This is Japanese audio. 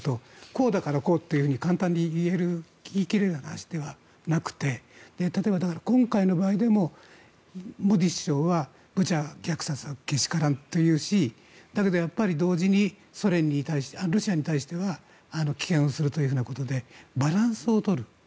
こうだからこうと簡単に言い切れる話ではなくて例えば、今回の場合でもモディ首相はブチャ虐殺はけしからんと言うしだけどやっぱり同時にロシアに対しては棄権をするということでバランスを取る。